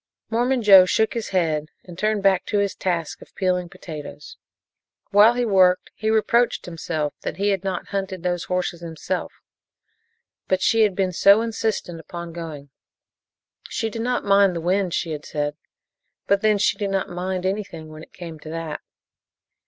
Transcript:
Mormon Joe shook his head and turned back to his task of peeling potatoes. While he worked he reproached himself that he had not hunted those horses himself; but she had been so insistent upon going. She did not mind the wind, she had said, but then she did not "mind" anything, when it came to that.